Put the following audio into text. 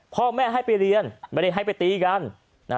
พ่อแม่ให้ไปเรียนไม่ได้ให้ไปตีกัน